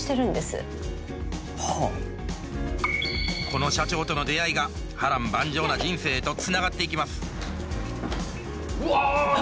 この社長との出会いが波乱万丈な人生へとつながっていきますうわ！